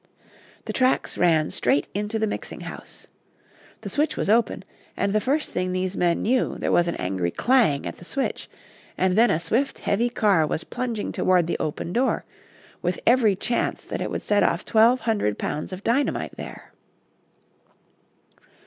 The tracks ran straight into the mixing house. The switch was open, and the first thing these men knew, there was an angry clang at the switch, and then a swift, heavy car was plunging toward the open door, with every chance that it would set off twelve hundred pounds of dynamite there.